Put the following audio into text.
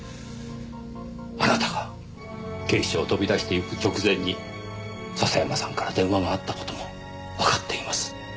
あなたが警視庁を飛び出していく直前に笹山さんから電話があった事もわかっています。